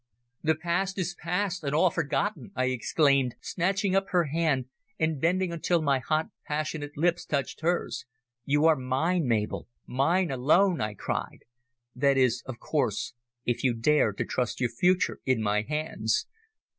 "The past is past, and all forgotten," I exclaimed, snatching up her hand, and bending until my hot, passionate lips touched hers. "You are mine, Mabel mine alone!" I cried. "That is, of course, if you dare to trust your future in my hands."